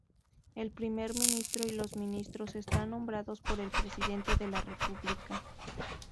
El primer ministro y los ministros están nombrados por el Presidente de la República.